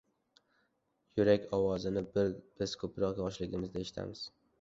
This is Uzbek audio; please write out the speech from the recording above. Yurak ovozini biz koʻproq yoshligimizda eshitamiz.